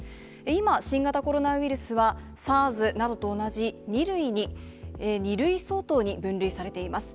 今、新型コロナウイルスはＳＡＲＳなどと同じ２類相当に分類されています。